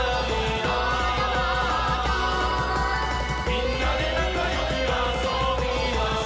「みんなでなかよくあそびましょ」